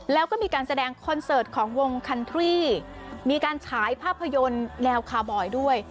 แล้วก็มีการแสดงคอนเสิร์ตของวงคันทรี่มีการฉายภาพยนตร์แนวคาร์บอยด้วย